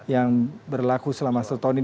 yang berlaku selama setahun ini